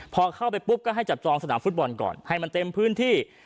พอเข้าไปปุ๊บก็ให้จับจองสนามฟุตบอลก่อนให้มันเต็มพื้นที่